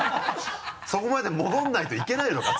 そこまで戻らないといけないのか？